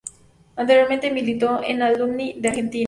Anteriormente militó en Alumni de Argentina.